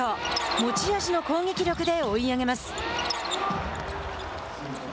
持ち味の攻撃力で追い上げます。